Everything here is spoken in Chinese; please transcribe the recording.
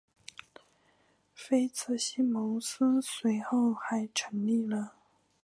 菲茨西蒙斯随后还成立了。